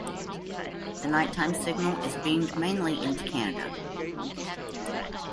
The nighttime signal is beamed mainly into Canada.